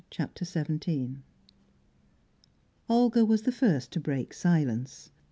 CHAPTER XVII Olga was the first to break silence.